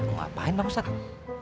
ngapain pak ustadz